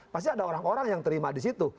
pasti ada orang orang yang terima di situ